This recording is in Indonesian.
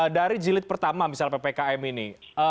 dari jilid pertama misalnya ppkm ini